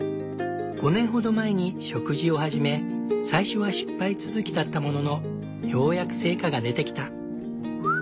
５年ほど前に植樹を始め最初は失敗続きだったもののようやく成果が出てきた。